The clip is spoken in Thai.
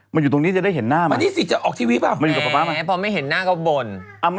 มาอยู่ตรงนี้จะได้เห็นหน้ามามาอยู่กับพ่อป๊า